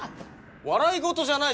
笑い事じゃないっしょ